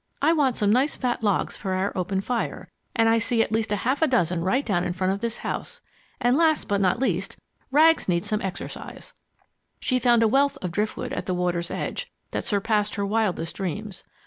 I want some nice fat logs for our open fire, and I see at least a half dozen right down in front of this house. And last but not least, Rags needs some exercise!" She found a wealth of driftwood at the water's edge that surpassed her wildest dreams.